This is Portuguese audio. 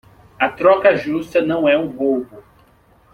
A troca justa não é um roubo.